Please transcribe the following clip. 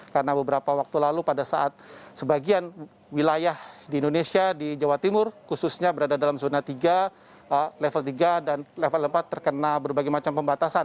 karena beberapa waktu lalu pada saat sebagian wilayah di indonesia di jawa timur khususnya berada dalam zona tiga level tiga dan level empat terkena berbagai macam pembatasan